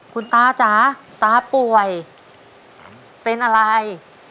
คุณตาจ๋าตาป่วยเป็นอะไร